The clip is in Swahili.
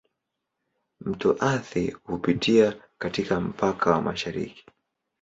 Mto Athi hupitia katika mpaka wa mashariki.